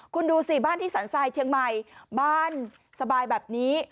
คุณดูสิบ้านที่สรรทรายเชียงใหม่บ้านสบายแบบนี้